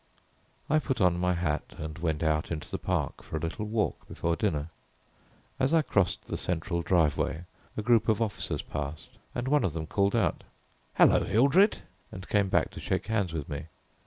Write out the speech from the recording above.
I put on my hat and went out into the park for a little walk before dinner. As I crossed the central driveway a group of officers passed, and one of them called out, "Hello, Hildred," and came back to shake hands with me.